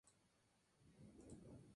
Además, Mr.